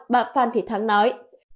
bà phan thị thắng nói